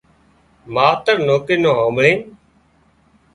ماوتر نوڪرِي نُون هانڀۯينَ